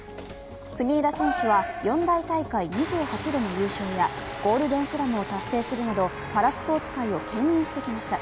国枝選手は、４大大会２８度の優勝やゴールデンスラムを達成するなどパラスポーツ界を牽引してきました。